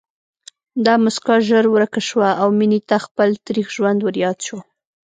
دا مسکا ژر ورکه شوه او مينې ته خپل تريخ ژوند ورياد شو